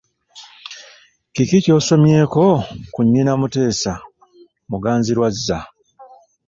Kiki ky'osomyeko ku nnyina Muteesa, Muganzirwazza?